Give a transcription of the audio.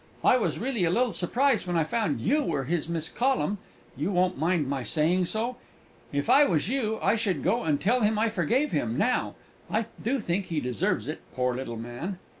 I really was a little surprised when I found you were his Miss Collum. (You won't mind my saying so?) If I was you, I should go and tell him I forgave him, now. I do think he deserves it, poor little man!"